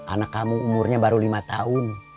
anak kamu umurnya baru lima tahun